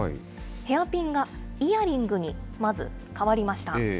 ヘアピンがイヤリングにまず換わりました。